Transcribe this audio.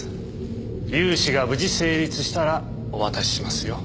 融資が無事成立したらお渡ししますよ。